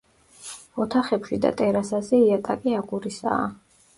ოთახებში და ტერასაზე იატაკი აგურისაა.